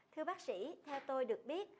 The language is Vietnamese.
thưa bác sĩ theo tôi được biết